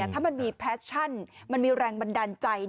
ถ้ามันมีแฟชั่นมันมีแรงบันดาลใจ